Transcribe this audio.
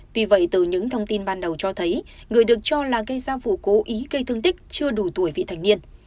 tuy vậy từ những thông tin ban đầu cho thấy người được cho là gây ra vụ cố ý gây thương tích chưa đủ tuổi vị thành niên